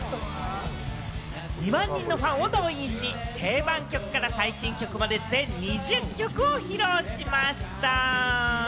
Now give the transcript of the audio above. ２万人のファンを動員し、定番曲から最新曲まで全２０曲を披露しました。